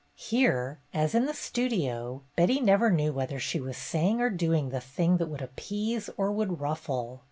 Here, as in the Studio, Betty never knew whether she was saying or doing the thing that would appease or would ruffle.